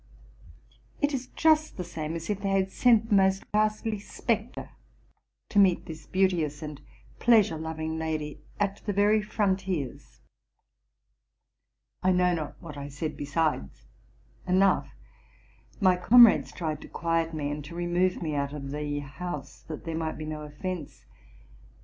It is just the same as if they had sent the most ghastly spectre to meet this beauteous and pleasure loving lady at the very frontiers! "' T know not what I said besides: enough, my comrades tried to quiet me and to remove me out of the house, that there might be no offence.